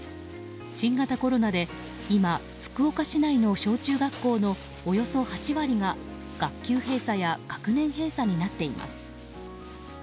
新型コロナで今、福岡市内の小中学校のおよそ８割が学級閉鎖や学年閉鎖になっています。